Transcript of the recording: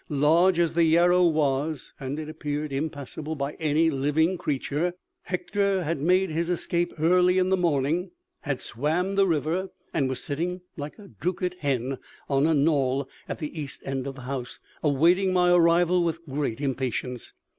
Large as the Yarrow was, and it appeared impassable by any living creature, Hector had made his escape early in the morning, had swam the river, and was sitting, 'like a drookit hen,' on a knoll at the east end of the house, awaiting my arrival with great impatience.